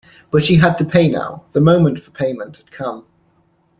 But she had to pay now; the moment for payment had come.